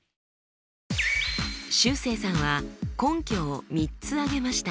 しゅうせいさんは根拠を３つ挙げました。